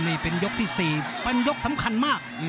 นี่เป็นยกที่๔เป็นยกสำคัญมาก